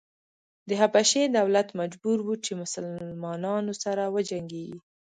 د حبشې دولت مجبور و چې مسلنانو سره وجنګېږي.